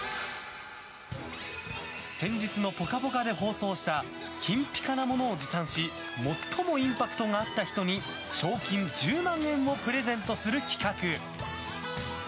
先日の「ぽかぽか」で放送した金ピカなものを持参し最もインパクトがあった人に賞金１０万円をプレゼントする企画。